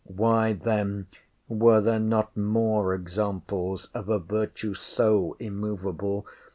Why then were there not more examples of a virtue so immovable?